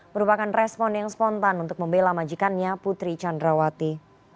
merupakan respon yang spontan untuk membela majikannya putri candrawati